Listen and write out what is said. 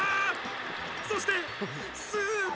そしてスープ。